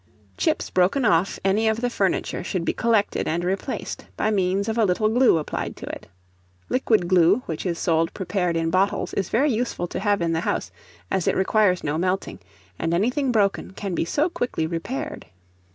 Chips broken off any of the furniture should be collected and replaced, by means of a little glue applied to it. Liquid glue, which is sold prepared in bottles, is very useful to have in the house, as it requires no melting; and anything broken can be so quickly repaired.